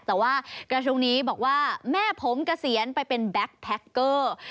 แต่ว่ากระทรวงนี้บอกว่าแม่ผมเกษียณไปเป็นแบ็คแท็กเกอร์